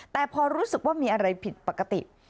แต่พอรู้สึกว่ามีอะไรผิดปกติ